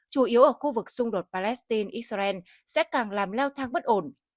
chủ yếu ở khu vực xung đột palestine israel sẽ càng làm leo thang bất ổn